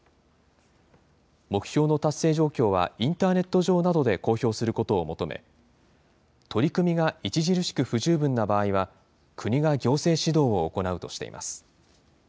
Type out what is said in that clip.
目標の達成状況はインターネット上などで公表することを求め、取り組みが著しく不十分な場合は国が行政指導を行うとしています。